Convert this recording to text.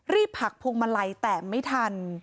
รีบหักพวงมะไลแต่ไม่ทัน